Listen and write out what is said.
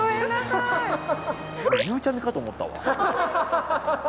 ゆうちゃみかと思ったわ。